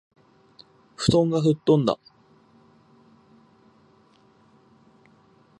布団がふっとんだ